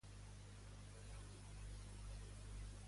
Quin càstig va imposar el pare d'Ariadna als ciutadans Atenes?